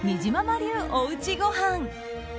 流おうちごはん。